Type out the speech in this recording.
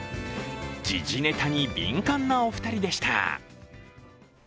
時事ネタに敏感なお二人でした。